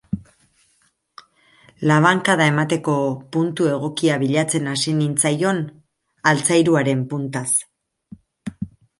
Labankada emateko puntu egokia bilatzen hasi nintzaion altzairuaren puntaz.